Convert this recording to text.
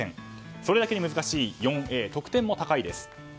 それだけ難しい４Ａ得点も高いです。